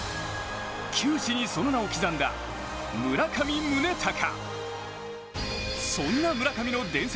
球史にその名を刻んだ、村上宗隆。